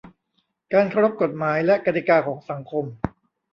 การเคารพกฎหมายและกติกาของสังคม